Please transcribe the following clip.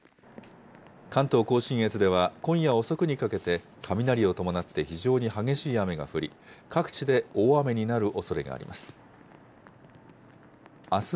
関東甲信越では今夜遅くにかけて、雷を伴って非常に激しい雨が降り、各地で大雨になるおそれがあります。